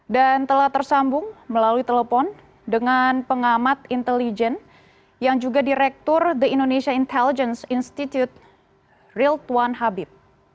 dan telah tersambung melalui telepon dengan pengamat intelijen yang juga direktur the indonesia intelligence institute riltuan habib